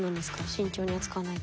慎重に扱わないと。